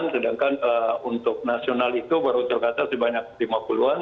sedangkan untuk nasional itu baru terkata sebanyak lima puluh an